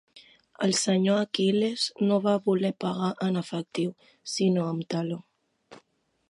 El senyor Aquil·les no va voler pagar en efectiu, sinó amb taló.